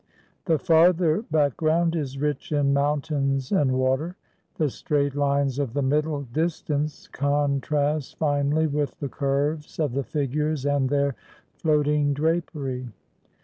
The farther background is rich in moun tains and water. The straight lines of the middle distance contrast finely with the curves of the figures and their float ing drapery.